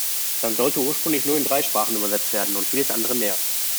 Dann sollte ursprünglich nur in drei Sprachen übersetzt werden und vieles andere mehr.